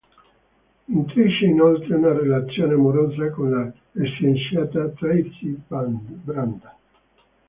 Intreccia inoltre una relazione amorosa con la scienziata Tracy Brand.